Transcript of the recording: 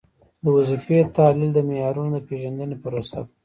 د وظیفې تحلیل د معیارونو د پیژندنې پروسه ده.